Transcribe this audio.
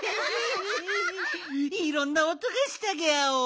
いろんなおとがしたギャオ。